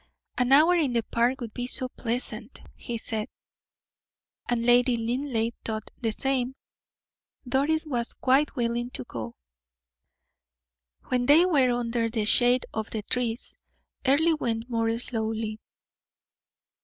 "An hour in the park would be so pleasant," he said. And Lady Linleigh thought the same. Doris was quite willing to go. When they were under the shade of the trees, Earle went more slowly.